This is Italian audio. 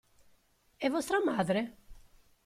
E vostra madre?